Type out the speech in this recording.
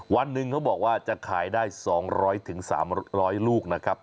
วันหนึ่งเขาบอกว่าจะขายได้๒๐๐๓๐๐ลูกนะครับ